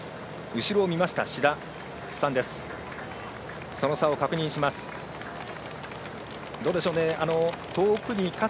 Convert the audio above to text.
後ろを見ました、志田さんです。